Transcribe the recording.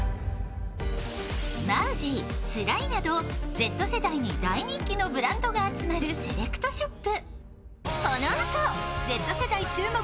Ｚ世代に大人気のブランドが集まるセレクトショップ。